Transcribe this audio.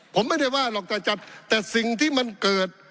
ผมไม่ได้ว่าหรอกแต่จัดแต่สิ่งที่มันเกิด